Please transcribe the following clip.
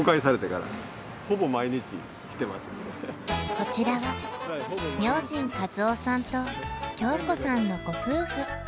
こちらは明神一夫さんと京子さんのご夫婦。